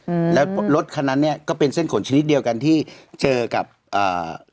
อืมแล้วรถคันนั้นเนี้ยก็เป็นเส้นขนชนิดเดียวกันที่เจอกับอ่า